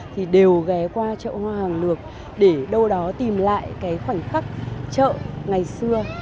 thì đều ghé qua chợ hoa hàng lược để đâu đó tìm lại cái khoảnh khắc chợ ngày xưa